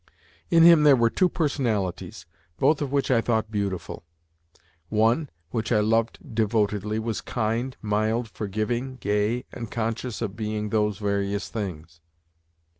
In him there were two personalities, both of which I thought beautiful. One, which I loved devotedly, was kind, mild, forgiving, gay, and conscious of being those various things.